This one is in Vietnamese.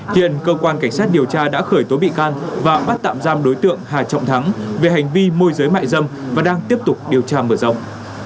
hiện cơ quan cảnh sát điều tra đã khởi tố bị can và bắt tạm giam đối tượng hà trọng thắng về hành vi môi giới mại dâm và đang tiếp tục điều tra mở rộng